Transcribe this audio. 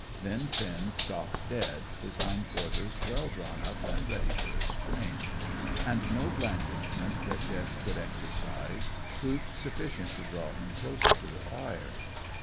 Then Finn stopped dead, his hind quarters well drawn up and ready for a spring; and no blandishment that Jess could exercise proved sufficient to draw him closer to the fire.